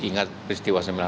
masyarakat akan kena